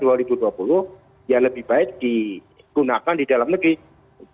jadi itu yang harus digunakan di dalam negeri